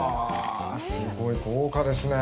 すごい豪華ですね。